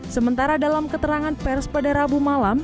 sementara dalam keterangan pers pada rabu malam